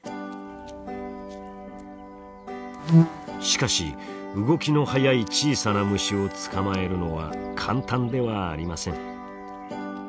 しかし動きの速い小さな虫を捕まえるのは簡単ではありません。